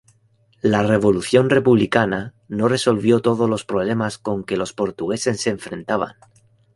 La revolución republicana no resolvió todos los problemas con que los portugueses se enfrentaban.